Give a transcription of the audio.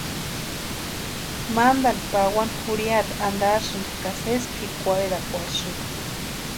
Mantani pawani jurhiata antarasïnti ka sési pʼikwarherakwarhisïnti.